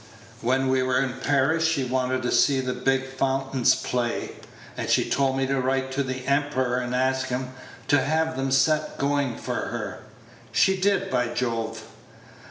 When we were in Paris she wanted to see the big fountains play, and she told me to write to the emperor and ask him to have them set going for her. She did, by Jove!"